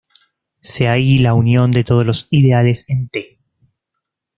Sea "I" la unión de todos los ideales en "T".